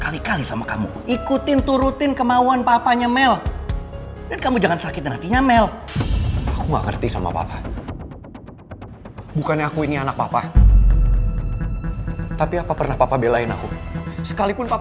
jika begitu gue punya kekuatan untuk bertahan